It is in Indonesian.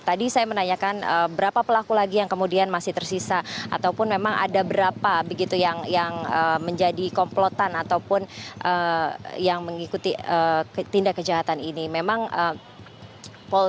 ratu selamat sore dari hasil penangkapan dua orang perampokan dan juga penembakan di spbu daan mogot